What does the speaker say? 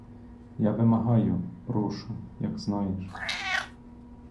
Я вимагаю, прошу, як знаєш.